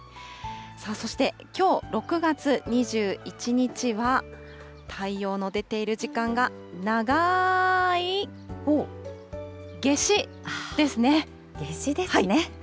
そしてきょう６月２１日は、太陽の出ている時間が長ーい、夏至ですね。